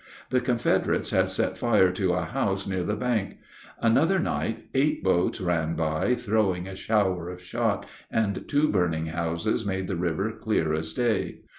The Confederates had set fire to a house near the bank. Another night, eight boats ran by, throwing a shower of shot, and two burning houses made the river clear as day.